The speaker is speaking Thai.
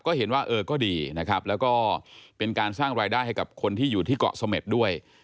ก็เห็นว่าเออก็ดีนะครับแล้วก็เป็นการสร้างรายได้ให้กับคนที่อยู่ที่เกาะเสม็ดด้วย